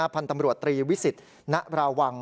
พันธุ์ตำรวจตรีวิสิตณราวัง